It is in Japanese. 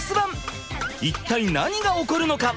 一体何が起こるのか？